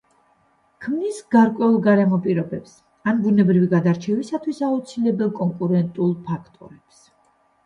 ქმნის გარკვეულ გარემო პირობებს, ან ბუნებრივი გადარჩევისთვის აუცილებელ კონკურენტულ ფაქტორებს.